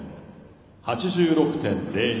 ８６．０２。